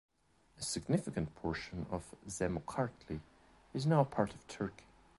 A significant portion of Zemo Kartli is now part of Turkey.